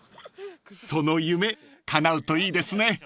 ［その夢かなうといいですね］